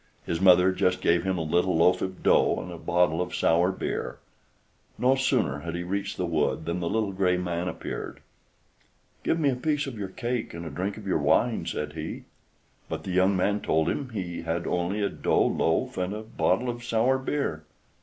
His mother just gave him a little loaf of dough and a bottle of sour beer. No sooner did he reach the wood than the little gray man appeared. "Give me a piece of your cake and a drink of your wine?" said he. But the young man told him he had only a dough loaf and a bottle of sour beer.